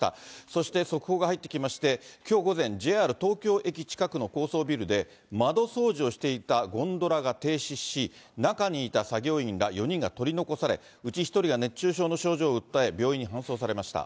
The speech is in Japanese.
そして、速報が入ってきまして、きょう午前、ＪＲ東京駅近くの高層ビルで、窓掃除をしていたゴンドラが停止し、中にいた作業員ら４人が取り残され、うち１人が熱中症の症状を訴え病院に搬送されました。